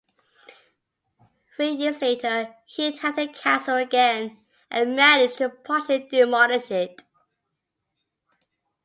Three years later, he attacked the castle again and managed to partially demolish it.